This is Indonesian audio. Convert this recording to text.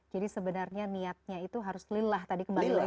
jadi sebenarnya niatnya itu harus lillah tadi kembali lagi ya